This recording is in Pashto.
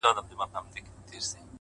په کابل کې يې شپېته کاله مخګې